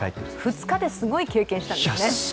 ２日ですごい経験をしたんですね